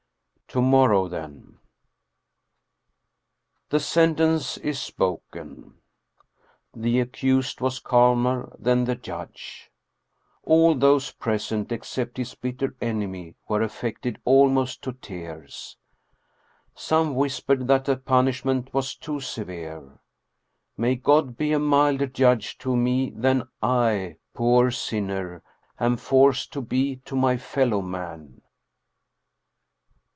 To morrow, then! The sentence is spoken. The accused was calmer than the judge. All those pres ent, except his bitter enemy, were affected almost to tears. Some whispered that the punishment was too severe. May God be a milder judge to me than I, poor sinner,, am forced to be to my fellow men.